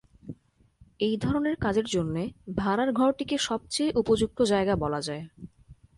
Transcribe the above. এই ধরনের কাজের জন্যে ভাড়ারঘরটিকে সবচেয়ে উপযুক্ত জায়গা বলা যায়।